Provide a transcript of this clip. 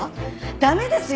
駄目ですよ。